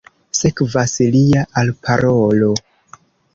Sekvas lia alparolo.